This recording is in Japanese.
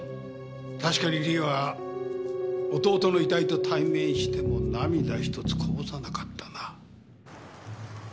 確かに理恵は弟の遺体と対面しても涙ひとつこぼさなかったな。